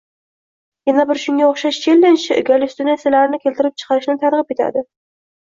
Yana bir shunga oʻxshash chellenj gallyutsinatsiyalarni keltirib chiqarishni targʻib etadi.